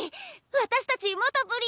私たち元プリ。